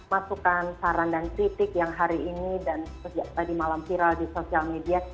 masukan saran dan kritik yang hari ini dan sejak tadi malam viral di sosial media